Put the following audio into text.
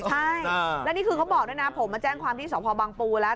ใช่แล้วนี่คือเขาบอกด้วยนะผมมาแจ้งความที่สพบังปูแล้ว